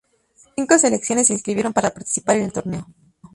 Cinco selecciones se inscribieron para participar en el torneo.